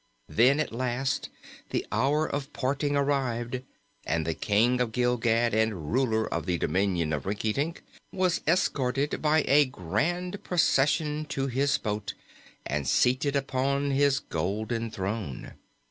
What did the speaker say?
Then, at last, the hour of parting arrived and the King of Gilgad and Ruler of the Dominion of Rinkitink was escorted by a grand procession to his boat and seated upon his golden throne.